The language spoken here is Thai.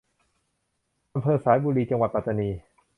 อำเภอสายบุรี จังหวัดปัตตานี